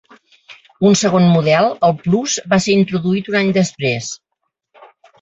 Un segon model, el "Plus", va ser introduït un any després.